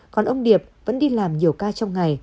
còn ông điệp vẫn đi làm nhiều ca trong ngày